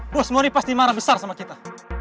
bos morni pasti marah besar sama kita